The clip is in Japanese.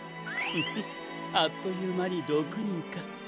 フフあっというまに６にんか。